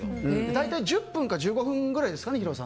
大体１０分か１５分くらいですかね。